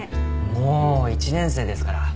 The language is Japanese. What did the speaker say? もう１年生ですから。